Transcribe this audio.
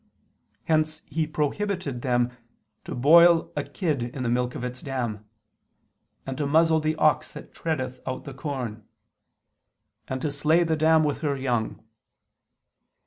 Hence He prohibited them to "boil a kid in the milk of its dam"; and to "muzzle the ox that treadeth out the corn"; and to slay "the dam with her young."